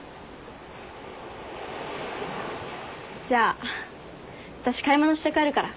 じゃあ私買い物して帰るから。